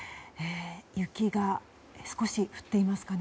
雪が少し降っていますかね。